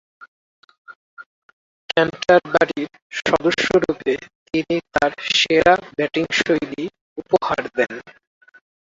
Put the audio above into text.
ক্যান্টারবারির সদস্যরূপে তিনি তার সেরা ব্যাটিংশৈলী উপহার দেন।